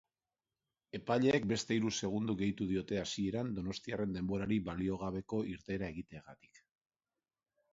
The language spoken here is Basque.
Epaileek beste hiru segundo gehitu diote hasieran donostiarren denborari baliogabeko irteera egiteagatik.